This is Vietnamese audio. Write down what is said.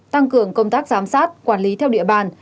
tăng cường công tác giám sát quản lý theo địa bàn